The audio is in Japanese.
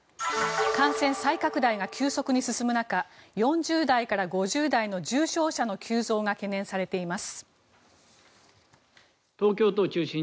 感染再拡大が急速に進む中４０代から５０代の重症者の急増が懸念されています。